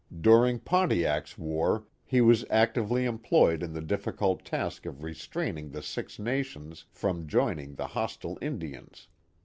During Pontiac's war he was actively employed in the difficult task of restiaining the Six Nations from joining the hostile Indians.